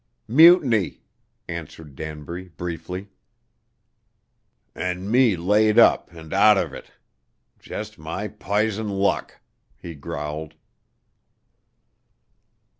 "Mutiny," answered Danbury, briefly. "And me laid up, an' outer it. Jus' my pizen luck," he growled.